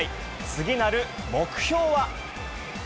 次なる目標は。